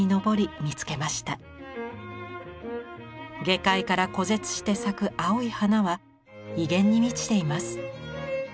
外界から孤絶して咲く青い花は威厳に満ちています。